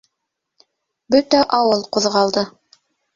Бөтә ауыл ҡуҙғалды.